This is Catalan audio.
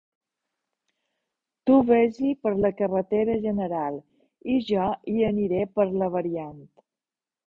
Tu ves-hi per la carretera general i jo hi aniré per la variant.